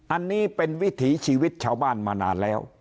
อันนี้เป็นวิถีชีวิตชาวบ้านมานานแล้ว